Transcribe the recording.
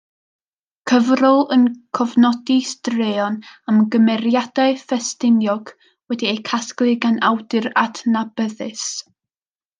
Cyfrol yn cofnodi straeon am gymeriadau Ffestiniog, wedi eu casglu gan awdur adnabyddus.